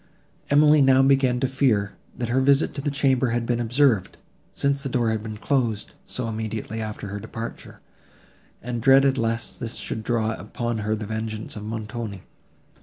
Emily now began to fear, that her visit to the chamber had been observed, since the door had been closed, so immediately after her departure; and dreaded lest this should draw upon her the vengeance of Montoni.